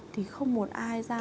thì không một ai ra gọi ai